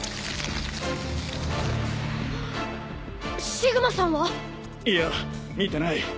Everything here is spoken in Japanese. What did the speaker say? シグマさんは？いや見てない。